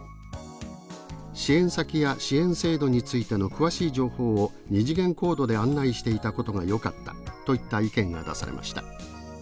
「支援先や支援制度についての詳しい情報を２次元コードで案内していたことがよかった」といった意見が出されました。